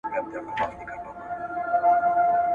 او د بشپړي روغتیا هیله ورته کوو ..